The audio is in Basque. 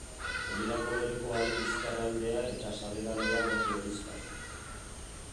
Oliba-kolorekoa du bizkarraldea eta sabelaldea gorri horixka.